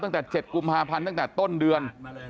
ตั้งแต่๗กุมภาพันธ์ตั้งแต่ต้นเดือน